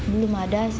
belum ada sih